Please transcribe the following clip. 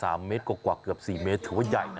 สามเมตรกว่าเกือบ๔เมตรถือว่าใหญ่นะ